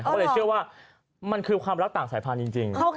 ก็เลยเชื่อว่ามันคือความรักต่างสายพันธุ์จริง